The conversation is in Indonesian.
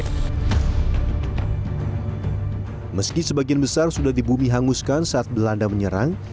sebelumnya di sebagian besar sudah di bumi hanguskan saat belanda menyerang